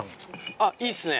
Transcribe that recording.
あっいいっすね